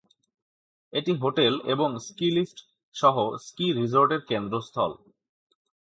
এটি হোটেল এবং ski lift সহ স্কি রিসোর্টের কেন্দ্রস্থল।